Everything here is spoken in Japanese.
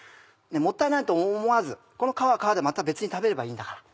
もったいないと思わずこの皮は皮でまた別に食べればいいんだから。